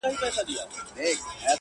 o له بدو څخه ښه زېږي، له ښو څخه واښه٫